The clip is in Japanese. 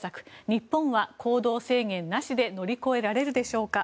日本は行動制限なしで乗り越えられるでしょうか。